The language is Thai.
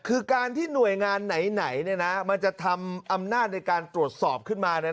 คือการที่หน่วยงานไหนมันจะทำอำนาจในการตรวจสอบขึ้นมา